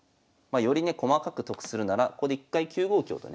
よりね細かく得するならここで一回９五香とね。